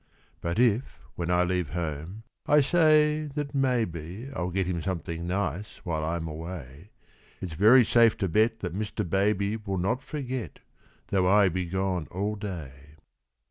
But if, when I leave home, I say that maybe I'll get him something nice while I'm away, It's very safe to bet that Mr. Baby Will not forget, though I be gone all day.